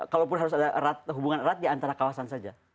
kalaupun harus ada hubungan erat di antara kawasan saja